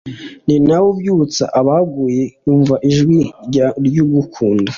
Ninawe ubyutsa abaguye umva ijwi ryugukunda